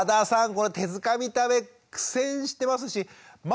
この手づかみ食べ苦戦してますしま